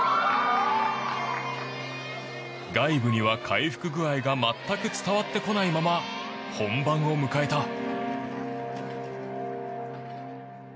外部には回復具合が全く伝わってこないまま本番を迎えた。